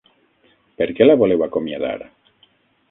Per què la voleu acomiadar?